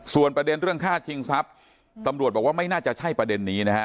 ส่วนประเด็นเรื่องฆ่าชิงทรัพย์ตำรวจบอกว่าไม่น่าจะใช่ประเด็นนี้นะฮะ